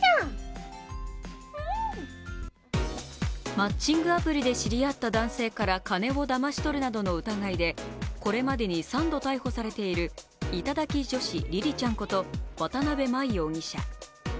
マッチングアプリで知り合った男性から金をだまし取るなどの疑いでこれまでに３度逮捕されている頂き女子りりちゃんこと渡邊真衣容疑者。